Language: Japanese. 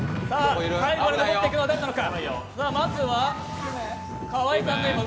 最後まで残っていくのは誰なのか？